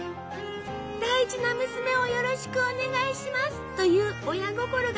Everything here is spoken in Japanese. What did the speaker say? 「大事な娘をよろしくお願いします」という親心が込められているの。